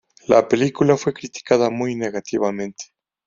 La película fue criticada muy negativamente.